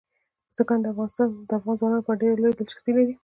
بزګان د افغان ځوانانو لپاره ډېره لویه دلچسپي لري.